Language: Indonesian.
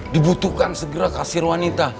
dibutuhkan segera kasir wanita